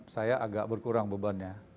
saya agak berkurang bebannya